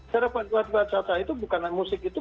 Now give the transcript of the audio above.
secara pariwisata itu bukan hanya musik itu